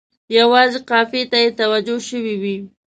یوازې قافیې ته یې توجه شوې وي.